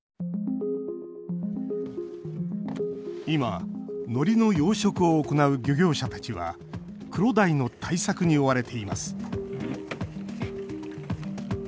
今、のりの養殖を行う漁業者たちはクロダイの対策に追われています。